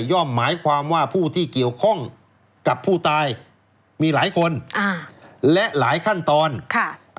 หมายความว่าผู้ที่เกี่ยวข้องกับผู้ตายมีหลายคนอ่าและหลายขั้นตอนค่ะ